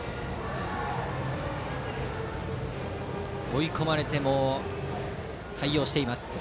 追い込まれても対応しています。